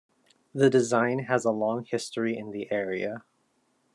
The design has a long history in the area.